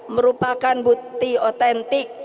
merupakan bukti otentik